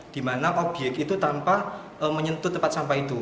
dimana obyek itu tanpa menyentuh tempat sampah itu